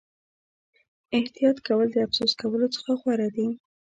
احتیاط کول د افسوس کولو څخه غوره دي.